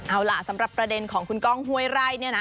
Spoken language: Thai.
เอาล่ะสำหรับประเด็นของคุณก้องห้วยไร่เนี่ยนะ